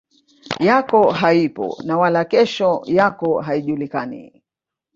yako haipo na wala kesho yako haijulikani